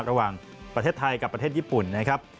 ระหว่างประเทศไทยกับประเทศญี่ปุ่นนะครับ